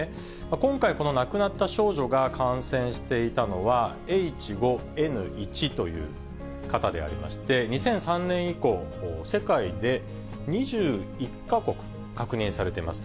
今回、この亡くなった少女が感染していたのはＨ５Ｎ１という型でありまして、２００３年以降、世界で２１か国確認されています。